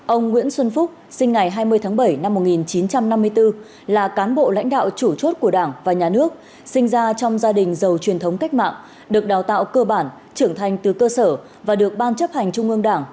ông nguyễn xuân phúc sinh ngày hai mươi tháng bảy năm một nghìn chín trăm năm mươi bốn là cán bộ lãnh đạo chủ chốt của đảng và nhà nước sinh ra trong gia đình giàu truyền thống cách mạng được đào tạo cơ bản trưởng thành từ cơ sở và được ban chấp hành trung ương đảng